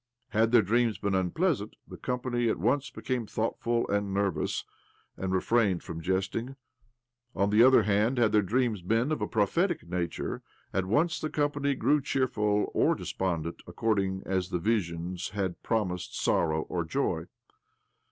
Had their dreams been unpleasant, the company at once became thoughtful and nervous, and re frained from jesting. On the other hand, had. their dreams been of a prophetic nature, at once the company grew cheerful or despondent, according as the visions had promised sorrow or joy.